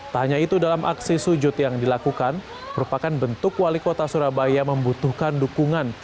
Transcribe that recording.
tak hanya itu dalam aksi sujud yang dilakukan merupakan bentuk wali kota surabaya membutuhkan dukungan